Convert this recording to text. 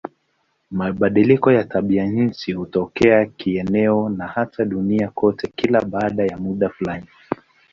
Mabadiliko ya tabianchi hutokea kieneo au hata duniani kote kila baada ya muda fulani.